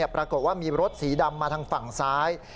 ปรากฏว่ามีรถสีดำมาทางฝั่งซ้าย